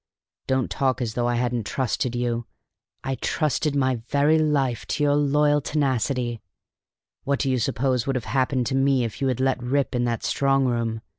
Don't talk as though I hadn't trusted you! I trusted my very life to your loyal tenacity. What do you suppose would have happened to me if you had let me rip in that strong room?